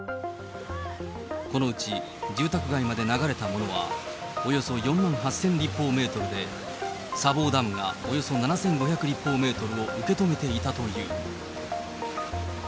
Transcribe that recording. このうち住宅街まで流れたものは、およそ４万８０００立方メートルで、砂防ダムがおよそ７５００立方メートルを受け止めていたという。